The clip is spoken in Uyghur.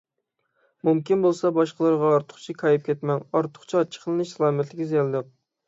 مۇمكىن بولسا باشقىلارغا ئارتۇقچە كايىپ كەتمەڭ. ئارتۇقچە ئاچچىقلىنىش سالامەتلىككە زىيانلىق.